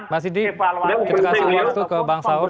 mas sidi kita kasih waktu ke bang saur